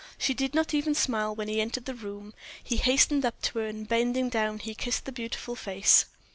She did not even smile when he entered the room. He hastened up to her, and bending down he kissed the beautiful face.